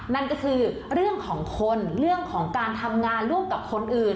นั่นก็คือเรื่องของคนเรื่องของการทำงานร่วมกับคนอื่น